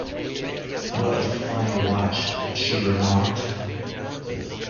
‘What a funny watch!’ she remarked.